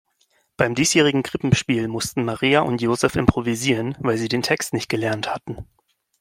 Beim diesjährigen Krippenspiel mussten Maria und Joseph improvisieren, weil sie den Text nicht gelernt hatten.